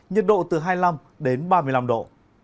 nhiệt độ từ hai mươi năm đến ba mươi năm độ